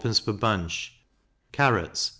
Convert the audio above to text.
per bunch; carrots 6d.